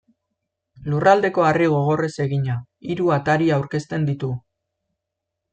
Lurraldeko harri gogorrez egina, hiru atari aurkezten ditu.